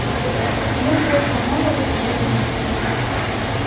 Ён проста можа разбурыць нырку.